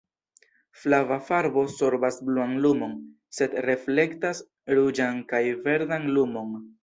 Flava farbo sorbas bluan lumon, sed reflektas ruĝan kaj verdan lumon.